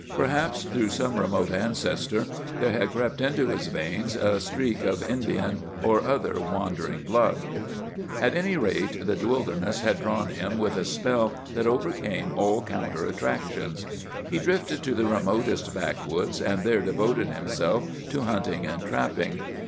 Perhaps through some remote ancestor there had crept into his veins a streak of Indian or other wandering blood. At any rate, the wilderness had drawn him with a spell that overcame all counter attractions. He drifted to the remotest backwoods, and there devoted himself to hunting and trapping.